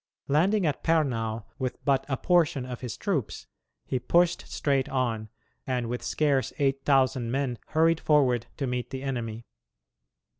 Landing at Pernau with but a portion of his troops, he pushed straight on, and with scarce eight thousand men hurried forward to meet the enemy.